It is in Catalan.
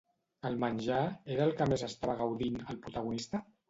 El menjar era el que més estava gaudint, el protagonista?